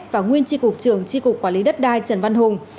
và nguyên tri cục trường tri cục quản lý đất đai trần văn hùng